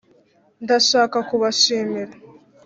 ndashaka kubashimira